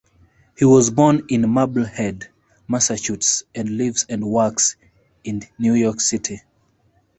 He was born in Marblehead, Massachusetts and lives and works in New York City.